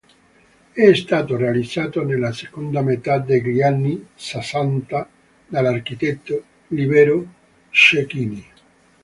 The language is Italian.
È stato realizzato nella seconda metà degli anni sessanta dall'architetto Libero Cecchini.